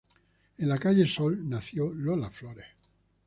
En la calle Sol nació Lola Flores.